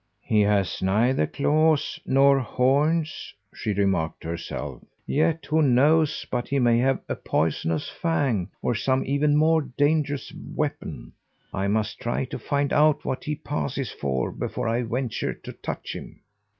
"He has neither claws nor horns," she remarked to herself, "yet who knows but he may have a poisonous fang or some even more dangerous weapon. I must try to find out what he passes for before I venture to touch him."